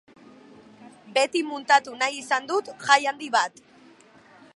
Beti muntatu nahi izan dut jai handi bat.